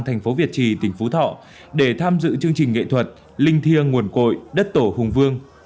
thành phố việt trì tỉnh phú thọ để tham dự chương trình nghệ thuật linh thiêng nguồn cội đất tổ hùng vương